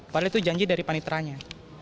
padahal itu janji dari panitranya